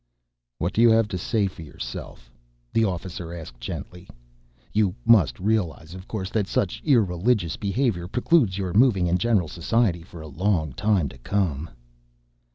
"What do you have to say for yourself?" the officer asked gently. "You must realize, of course, that such irreligious behavior precludes your moving in general society for a long time to come."